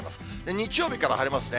日曜日から晴れますね。